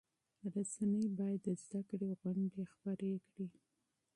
رسنۍ باید تعلیمي پروګرامونه نشر کړي.